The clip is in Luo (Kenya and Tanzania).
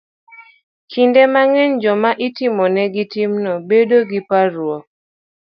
Kinde mang'eny, joma itimonegi timno bedo gi parruok